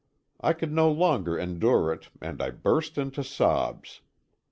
I could no longer endure it and I burst into sobs.